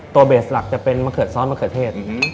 ตัวเบสหลักอันนั้นก็เป็นมะเขือดซอสมะเขือเทศ